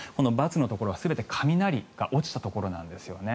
×のところは全て雷が落ちたところなんですね。